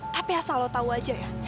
tapi asal lo tau aja ya